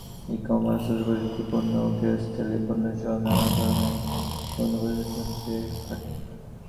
E-commerce, তথ্যপ্রযুক্তি, পণ্য, গৃহস্থালি পণ্যসহ নানা ধরনের পণ্য প্রদর্শিত হচ্ছে হাটে।